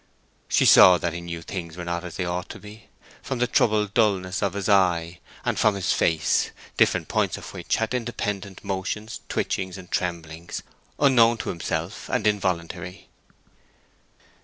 She saw that he knew things were not as they ought to be, from the troubled dulness of his eye, and from his face, different points of which had independent motions, twitchings, and tremblings, unknown to himself, and involuntary.